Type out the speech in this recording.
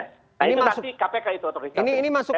nah ini masuk ini masuk